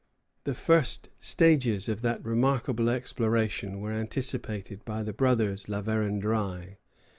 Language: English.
The first stages of that remarkable exploration were anticipated by the brothers La Vérendrye.